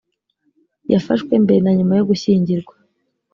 yafashwe mbere na nyuma yo gushyingirwa